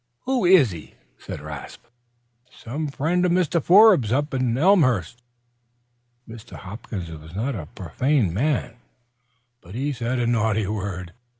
"Who's he?" "Some friend of Mr. Forbes, up at Elmhurst." Mr. Hopkins was not a profane man, but he said a naughty word.